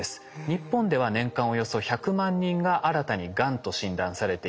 日本では年間およそ１００万人が新たにがんと診断されています。